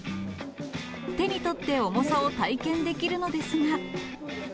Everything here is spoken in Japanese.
手に取って重さを体験できるのですが。